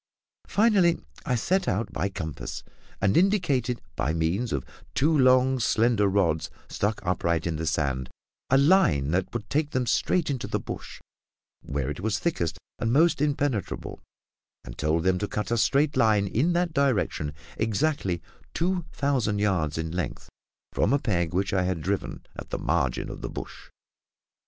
Finally, I set out by compass, and indicated, by means of two long slender rods stuck upright into the sand, a line that would take them straight into the bush where it was thickest and most impenetrable, and told them to cut a straight line in that direction, exactly two thousand yards in length from a peg which I had driven at the margin of the bush.